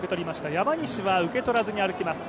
山西は受け取らずに歩きます。